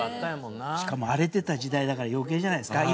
しかも荒れてた時代だから余計じゃないですか？